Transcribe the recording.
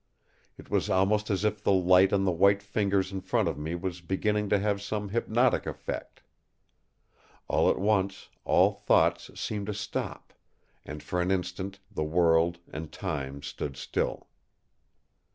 It was almost as if the light on the white fingers in front of me was beginning to have some hypnotic effect. All at once, all thoughts seemed to stop; and for an instant the world and time stood still.